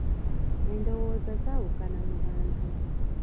Endowooza zaawukana mu bantu.